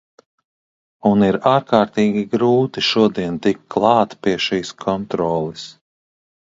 Un ir ārkārtīgi grūti šodien tikt klāt pie šīs kontroles.